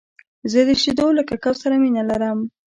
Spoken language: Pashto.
زه د شیدو له ککو سره مینه لرم .